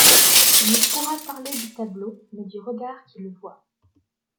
On ne pourra parler du tableau, mais du regard qui le voit.